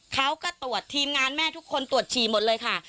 เขาก็ตรวจทีมงานแม่ทุกคนตรวจฉี่หมดเลยค่ะ